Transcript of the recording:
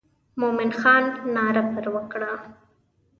مومن خان ناره پر وکړه.